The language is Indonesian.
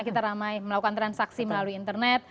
kita ramai melakukan transaksi melalui internet